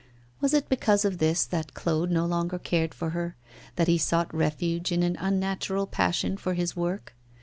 Was it because of this that Claude no longer cared for her, that he sought refuge in an unnatural passion for his work?